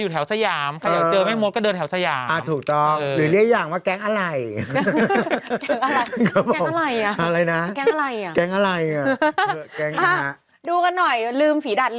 แรงเหมือนกันเนอะ